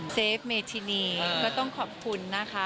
เฟฟเมธินีก็ต้องขอบคุณนะคะ